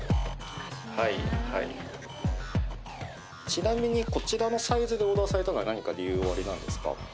ちなみにこちらのサイズでオーダーされたのは何か理由はおありなんですか？